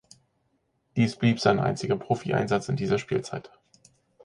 Dies blieb sein einziger Profieinsatz in dieser Spielzeit.